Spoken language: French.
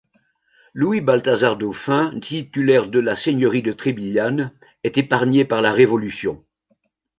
Louis Balthazar Dauphin titulaire de la seigneurie de Trébillane est épargné par la révolution.